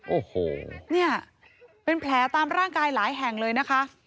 โอ้โหเนี่ยเป็นแผลตามร่างกายหลายแห่งเลยนะคะ